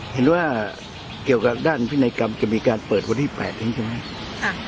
เห็นว่าเกี่ยวกับด้านพินัยกรรมจะมีการเปิดวันที่๘นี้ใช่ไหม